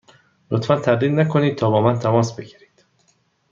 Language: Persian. لطفا تردید نکنید تا با من تماس بگیرید.